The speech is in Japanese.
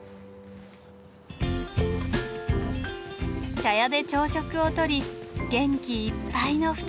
茶屋で朝食をとり元気いっぱいの２人。